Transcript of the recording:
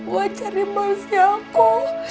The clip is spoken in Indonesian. buat cari mamsnya aku